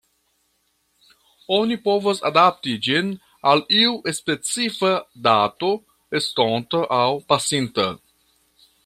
Oni povas adapti ĝin al iu specifa dato estonta aŭ pasinta.